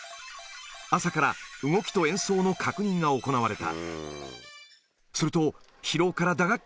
朝から動きと演奏の確認が行われた。